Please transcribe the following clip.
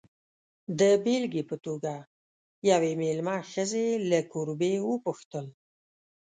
د بېلګې په توګه، یوې مېلمه ښځې له کوربې وپوښتل.